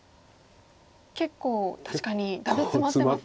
結構確かにダメツマってますね。